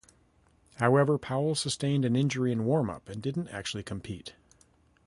However, Powell sustained an injury in warm up and didn't actually compete.